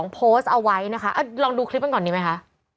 โพสต์เอาไว้นะคะลองดูคลิปกันก่อนดีไหมคะ